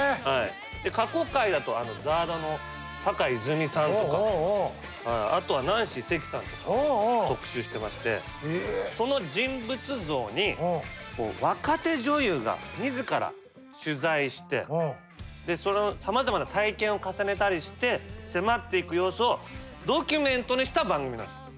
過去回だとＺＡＲＤの坂井泉水さんとかあとはナンシー関さんとか特集してましてその人物像に若手女優が自ら取材してさまざまな体験を重ねたりして迫っていく様子をドキュメントにした番組なんです。